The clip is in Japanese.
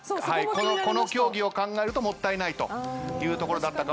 この競技を考えるともったいないというところだったかもしれませんが。